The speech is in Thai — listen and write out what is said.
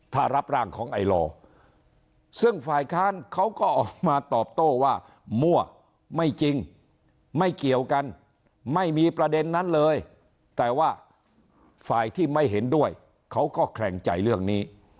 ถ้ารับร่างของไอลอซึ่งฝ่ายค้านเขาก็ออกมาตอบโต้ว่ามั่วไม่จริงไม่เกี่ยวกันไม่มีประเด็นนั้นเลยแต่ว่าฝ่ายที่ไม่เห็นด้วยเขาก็แขลงใจเรื่องนี้